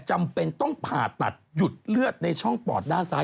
จำเป็นต้องผ่าตัดหยุดเลือดในช่องปอดด้านซ้าย